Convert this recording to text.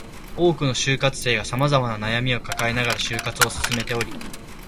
多くの就活生が様々な悩みを抱えながら就活を進めており